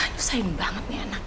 nusain banget nih anak